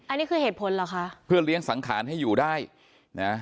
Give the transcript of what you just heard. อันนี้คือเหตุผลเหรอคะเพื่อเลี้ยงสังขารให้อยู่ได้นะ